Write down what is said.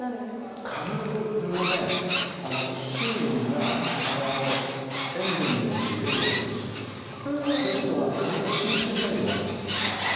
水分があの塩分によって出るわけですよ。ということはカブが新鮮じゃなきゃ駄目ってことなんだよ。